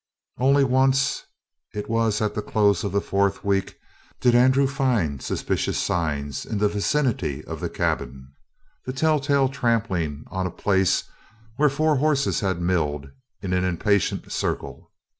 Only once it was at the close of the fourth week did Andrew find suspicious signs in the vicinity of the cabin the telltale trampling on a place where four horses had milled in an impatient circle.